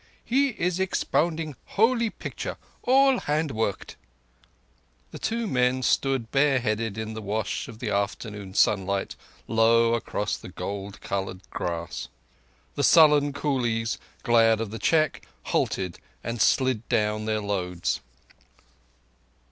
"He is expounding holy picture—all hand worked." The two men stood bareheaded in the wash of the afternoon sunlight low across the gold coloured grass. The sullen coolies, glad of the check, halted and slid down their loads.